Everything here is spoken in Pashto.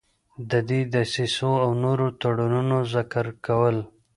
د دې دسیسو او نورو تړونونو ذکرول.